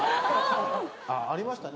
ありましたね。